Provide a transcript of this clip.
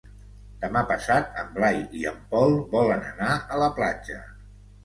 Demà passat en Blai i en Pol volen anar a la platja.